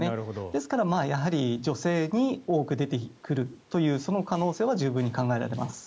ですからやはり女性に多く出てくるというその可能性は十分に考えられます。